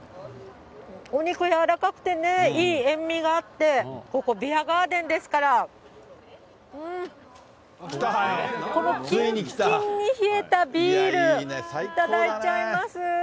お肉柔らかくてね、いい塩味があって、ここ、ビアガーデンですから、このきんきんに冷えたビール、頂いちゃいます。